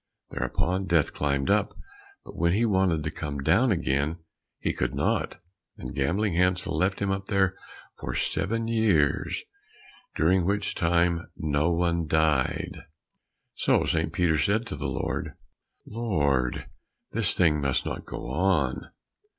Thereupon Death climbed up, but when he wanted to come down again, he could not, and Gambling Hansel left him up there for seven years, during which time no one died. So St. Peter said to the Lord, "Lord, this thing must not go on.